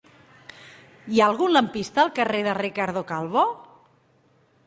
Hi ha algun lampista al carrer de Ricardo Calvo?